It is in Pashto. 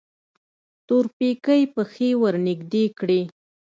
تورپيکۍ پښې ورنږدې کړې.